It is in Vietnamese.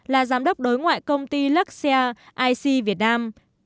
là giám đốc đối ngoại công ty luxia ic việt nam